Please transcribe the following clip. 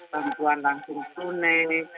bantuan langsung tunai